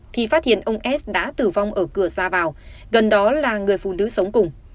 thì phát hiện ông s đã tử vong ở cửa ra vào gần đó là người phụ nữ sống cùng